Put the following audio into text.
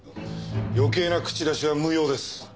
余計な口出しは無用です。